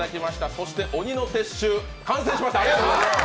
そして、鬼の撤収、完成しました。